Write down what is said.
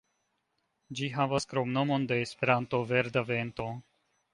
Ĝi havas kromnomon de Esperanto, "Verda Vento".